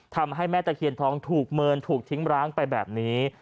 ทำให้แม่ตะเคียนทองถูกเมินถูกทิ้งร้างไปแบบนี้